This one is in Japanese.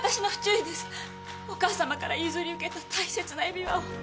お義母さまから譲り受けた大切な指輪を。